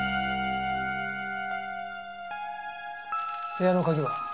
部屋の鍵は？